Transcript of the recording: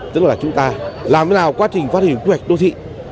tức là chúng ta làm thế nào quá trình phát hình quy hoạch đô thị